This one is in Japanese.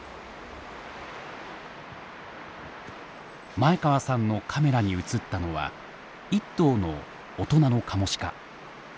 前川さんのカメラに映ったのは１頭の大人のカモシカ。